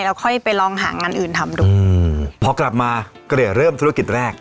เราก็ค่อยไปลองหางานอื่นทำดูพอกลับมาก็เลยเริ่มธุรกิจแรก